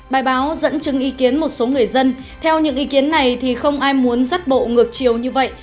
bài báo dẫn chứng ý kiến một số người dân theo những ý kiến này thì không ai muốn rắt bộ ngược chiều như vậy